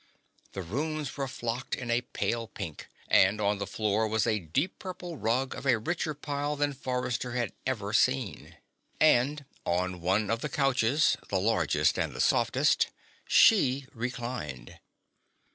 The rooms were flocked in a pale pink, and on the floor was a deep purple rug of a richer pile than Forrester had ever seen. And on one of the couches, the largest and the softest, she reclined.